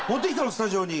スタジオに。